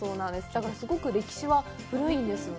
だからすごく歴史は古いんですよね。